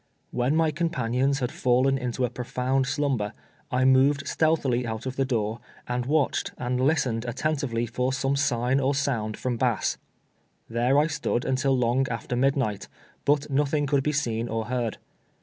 "Wlien my companions had fallen into a i)rofound slumber, I moved stealtiiily out of the door, and watch ed, and listened attentively for some sig n or sound from Bass. Tliere I stood until long after midnight, but nothing could be seen or heard.